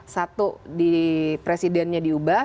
satu di presidennya diubah